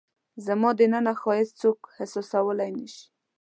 زما دننه ښایست څوک حسولای نه شي